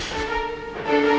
aku akan menjaga dia